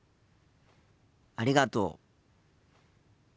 ありがとう。